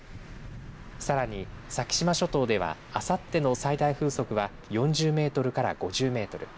さらに、先島諸島ではあさっての最大風速は４０メートルから５０メートル